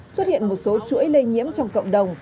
xuất hiện một số chuỗi lây nhiễm trong cộng đồng